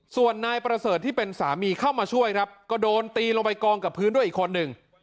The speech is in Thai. ส่วนนายประเสริฐที่เป็นสามีเข้ามาช่วยครับก็โดนตีลงไปกองกับพื้นด้วยอีกคนหนึ่ง